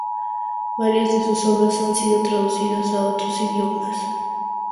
Varias de sus obras han sido traducidas a otros idiomas.